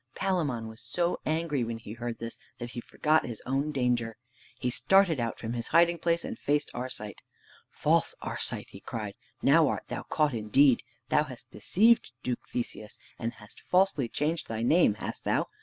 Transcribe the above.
Palamon was so angry when he heard this, that he forgot his own danger. He started out from his hiding place and faced Arcite. "False Arcite," he cried, "now art thou caught indeed! Thou hast deceived Duke Theseus and hast falsely changed thy name, hast thou?